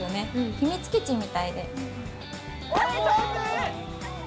秘密基地みたいで。